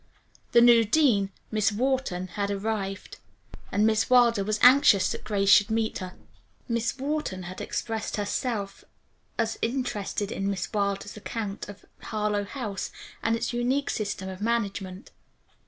The new dean, Miss Wharton, had arrived, and Miss Wilder was anxious that Grace should meet her. Miss Wharton had expressed herself as interested in Miss Wilder's account of Harlowe House and its unique system of management.